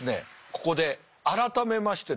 ここで改めましてですね